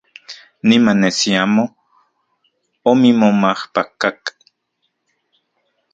Niman nesi amo omimomajpakak.